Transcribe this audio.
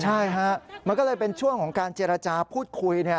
ใช่ฮะมันก็เลยเป็นช่วงของการเจรจาพูดคุย